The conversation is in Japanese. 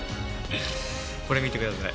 これ見てください。